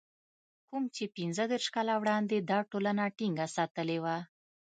کوم چې پنځه دېرش کاله وړاندې دا ټولنه ټينګه ساتلې وه.